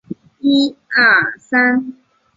殿试登进士第二甲第二十三名。